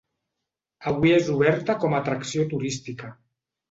Avui és oberta com a atracció turística.